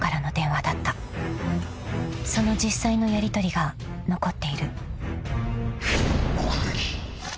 ［その実際のやりとりが残っている］